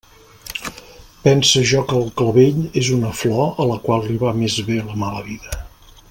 Pense jo que el clavell és una flor a la qual li va més bé la mala vida.